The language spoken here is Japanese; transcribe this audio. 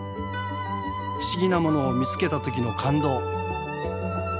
不思議なものを見つけた時の感動。